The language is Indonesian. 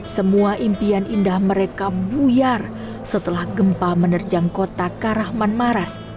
semua impian indah mereka buyar setelah gempa menerjang kota karahman maras